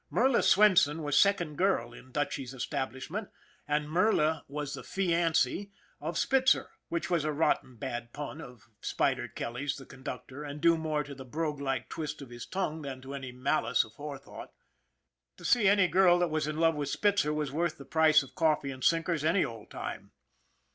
Merla Swenson was second girl in Dutchy's establishment, and Merla was the " fee ancy " of Spitzer which was a rotten bad pun of Spider Kelly's, the conductor, and due more to the brogue like twist of his tongue than to any malice aforethought. To see any girl that was in love with Spitzer was worth the price of coffee and sinkers any old time.